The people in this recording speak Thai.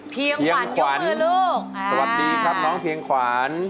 พี่ยังขวัญยกมือลูกสวัสดีครับน้องพี่ยังขวัญ